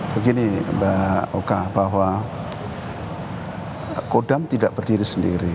begini mbak oka bahwa kodam tidak berdiri sendiri